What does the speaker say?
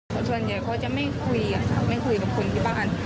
ส่วนใหญ่เขาจะไม่คุยกับคนที่บ้าน